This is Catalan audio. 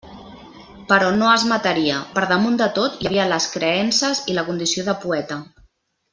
Però no es mataria; per damunt de tot hi havia les creences i la condició de poeta.